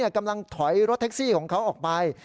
กำลังถอยรถแท็กซี่ของเขาออกไป